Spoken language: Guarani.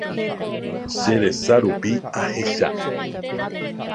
Che resa rupi ahecha.